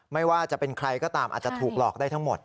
ไม่ว่าจะเป็นใครก็ตามอาจจะถูกหลอกได้ทั้งหมด